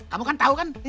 kamu kan tahu kan